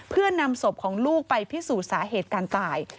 เพื่อนำศพของลูกไปพิสูจน์สาเหตุการตาย